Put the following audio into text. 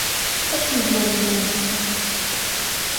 Ad temlellimt.